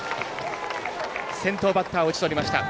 先頭バッターを打ちとりました。